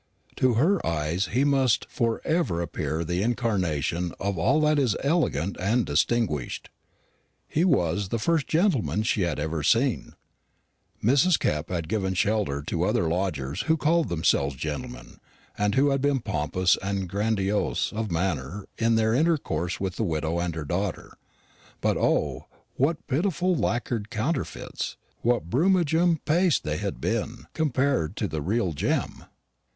To her eyes he must for ever appear the incarnation of all that is elegant and distinguished. He was the first gentleman she had ever seen. Mrs. Kepp had given shelter to other lodgers who had called themselves gentlemen, and who had been pompous and grandiose of manner in their intercourse with the widow and her daughter; but O, what pitiful lacquered counterfeits, what Brummagem paste they had been, compared to the real gem!